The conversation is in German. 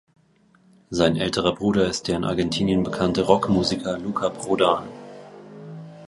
Sein älterer Bruder ist der in Argentinien bekannte Rock-Musiker Luca Prodan.